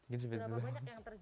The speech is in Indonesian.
berapa banyak yang terjual